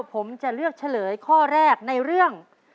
ผมจะเลือกเฉลยข้อแรกในเรื่อง